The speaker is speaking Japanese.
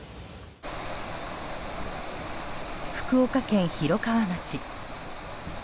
福岡県広川町。